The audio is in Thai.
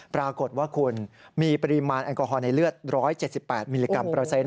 ปรากฏว่าคุณมีปริมาณแอลกอฮอลในเลือด๑๗๘มิลลิกรัมเปอร์เซ็นต